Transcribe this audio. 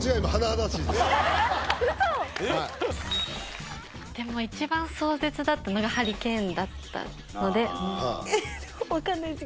はいでも一番壮絶だったのがハリケーンだったのでえっでも分かんないです